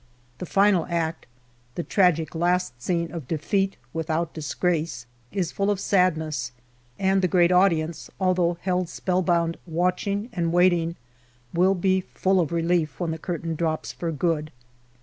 The final act, the tragic last scene of defeat without disgrace, is full of sadness, and the great audience, although held spellbound watching and waiting, will be full of relief when the curtain drops for good.